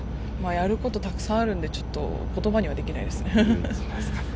やることたくさんあるんで、ちょっと、ことばにはできないでそうですか。